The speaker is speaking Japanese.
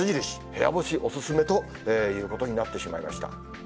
部屋干しお勧めということになってしまいました。